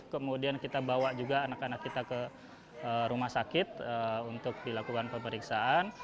kemudian kita bawa juga anak anak kita ke rumah sakit untuk dilakukan pemeriksaan